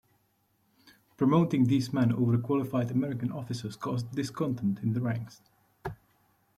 Promoting these men over qualified American officers caused discontent in the ranks.